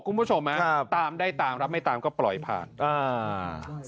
คุณผู้ชมฮะครับตามได้ตามรับไม่ตามก็ปล่อยผ่านอ่า